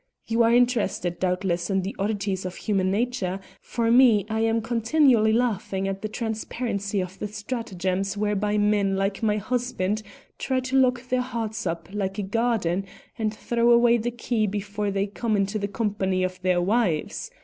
You are interested, doubtless, in the oddities of human nature; for me I am continually laughing at the transparency of the stratagems whereby men like my husband try to lock their hearts up like a garden and throw away the key before they come into the company of their wives.